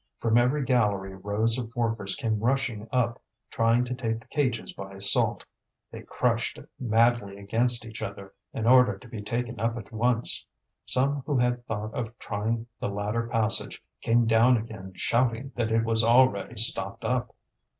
From every gallery rows of workers came rushing up, trying to take the cages by assault. They crushed madly against each other in order to be taken up at once. Some who had thought of trying the ladder passage came down again shouting that it was already stopped up.